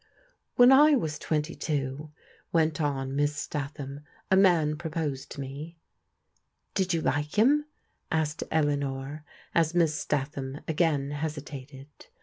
"When I was twenty two," went on Miss Statham, " a man proposed to me." " Did you like him ?" asked Eleanor, as Miss Statham again hesitated.